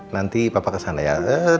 nanti papa kesana ya